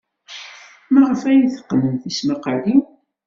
Maɣef ay teqqnem tismaqqalin?